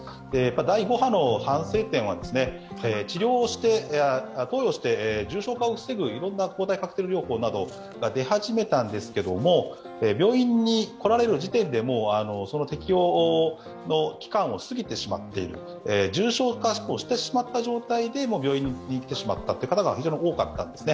第５波の反省点は投与して、重症化を防ぐいろんな抗体カクテル療法などが出始めたんですけど病院に来られる時点でもうその適用の期間を過ぎてしまっている、重症化してしまった状態で病院に来られた方が非常に多かったんですね。